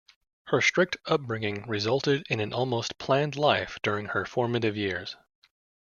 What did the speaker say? Her strict upbringing resulted in an almost planned life during her formative years.